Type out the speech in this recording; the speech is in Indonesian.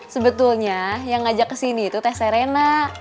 sebetulnya yang ngajak kesini tuh teh serena